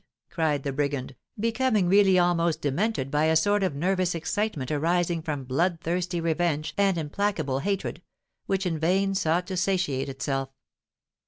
cried the brigand, becoming really almost demented by a sort of nervous excitement arising from bloodthirsty revenge and implacable hatred, which in vain sought to satiate itself.